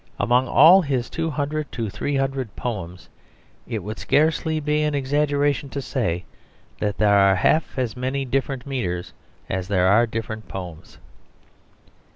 Among all his two hundred to three hundred poems it would scarcely be an exaggeration to say that there are half as many different metres as there are different poems.